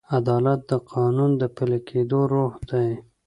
عدالت د قانون د پلي کېدو روح دی.